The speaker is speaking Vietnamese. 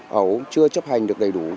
hậu chưa chấp hành được đầy đủ